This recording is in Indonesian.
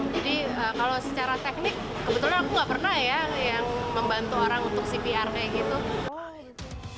jadi kalau secara teknik kebetulan aku nggak pernah ya yang membantu orang untuk cpr kayak gitu